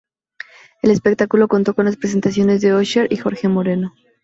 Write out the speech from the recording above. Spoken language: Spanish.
El espectáculo contó con las presentaciones de Usher y Jorge Moreno.